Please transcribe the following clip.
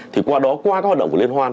thì qua đó qua các hoạt động của liên hoan